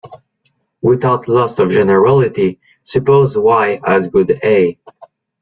Without loss of generality, suppose Y has good A.